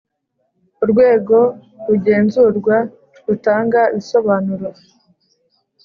Urwego rugenzurwa rutanga ibisobanuro